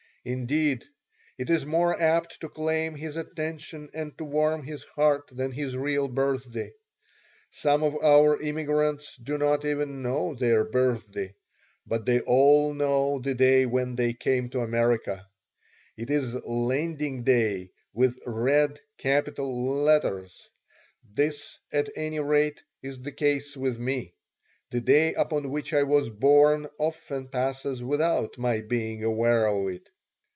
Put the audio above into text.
Indeed, it is more apt to claim his attention and to warm his heart than his real birthday. Some of our immigrants do not even know their birthday. But they all know the day when they came to America. It is Landing Day with red capital letters. This, at any rate, is the case with me. The day upon which I was born often passes without my being aware of it.